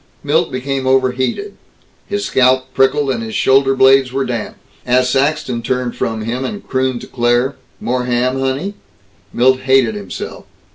Milt became overheated. His scalp prickled and his shoulder blades were damp. As Saxton turned from him, and crooned to Claire, "More ham, honey?" Milt hated himself.